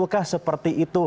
betulkah seperti itu